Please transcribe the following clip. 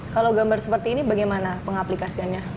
kalau gambar seperti ini bagaimana pengaplikasiannya